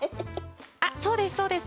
あっそうですそうです。